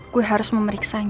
gue harus memeriksanya